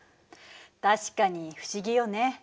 確かに不思議よね。